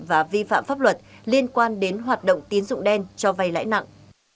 và vi phạm pháp luật liên quan đến hoạt động tín dụng đen cho vay lãi nặng